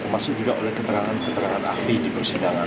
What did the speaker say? termasuk juga oleh keterangan keterangan ahli di persidangan